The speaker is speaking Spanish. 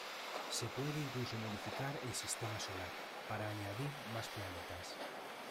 Se puede incluso modificar el sistema solar, para añadir más planetas.